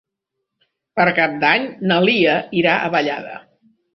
Per Cap d'Any na Lia irà a Vallada.